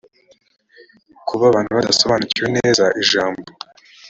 kuba abantu badasobanukiwe neza ijambo